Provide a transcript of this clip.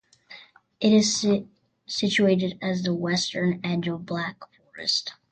It is situated at the western edge of Black Forest.